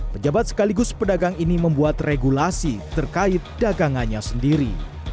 pejabat sekaligus pedagang ini membuat regulasi terkait dagangannya sendiri